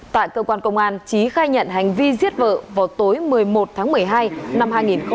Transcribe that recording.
tại cơ quan công an trí khai nhận hành vi giết vợ vào tối một mươi một tháng một mươi hai năm hai nghìn hai mươi ba